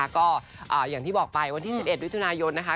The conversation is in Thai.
ก็อย่างที่บอกไปวันที่๑๑มิถุนายนนะคะ